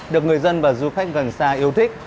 được người dân và du khách gần xa yêu thích